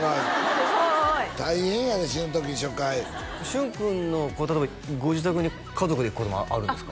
すごい大変やで死ぬ時初回旬君の例えばご自宅に家族で行くこともあるんですか？